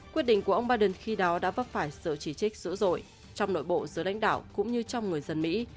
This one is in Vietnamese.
quyết định của ông biden khi đó đã vấp phải sự chỉ trích dữ dội trong nội bộ giới đánh đạo cũng như trong người dân mỹ